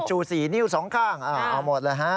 ชูสี่นิ้วสองข้างหรอเอาหมดละฮะ